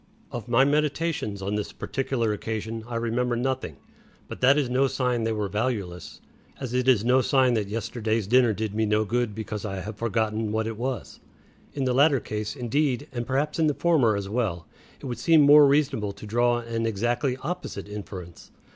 Of my meditations on this particular occasion I remember nothing; but that is no sign they were valueless; as it is no sign that yesterday's dinner did me no good because I have forgotten what it was. In the latter case, indeed, and perhaps in the former as well, it would seem more reasonable to draw an exactly opposite inference.